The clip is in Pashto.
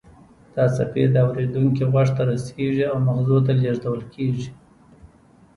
دا څپې د اوریدونکي غوږ ته رسیږي او مغزو ته لیږدول کیږي